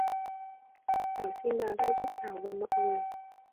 thảo xin bà đã giúp thảo và mọi người